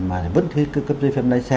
mà vẫn cấp chế phép nền xe